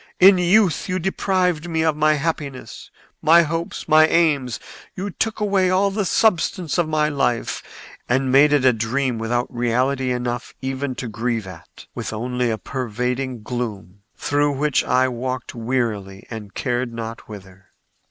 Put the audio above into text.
In youth you deprived me of my happiness, my hopes, my aims; you took away all the substance of my life and made it a dream without reality enough even to grieve at—with only a pervading gloom, through which I walked wearily and cared not whither.